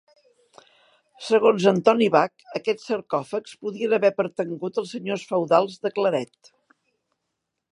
Segons Antoni Bach, aquests sarcòfags podien haver pertangut als senyors feudals de Claret.